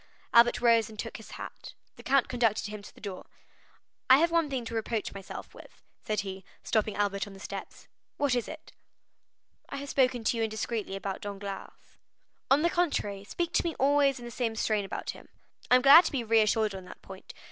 Albert rose and took his hat; the count conducted him to the door. "I have one thing to reproach myself with," said he, stopping Albert on the steps. "What is it?" "I have spoken to you indiscreetly about Danglars." "On the contrary, speak to me always in the same strain about him." "I am glad to be reassured on that point.